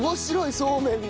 そうめんが。